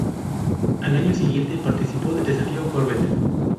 Al año siguiente participó del Desafío Corvette.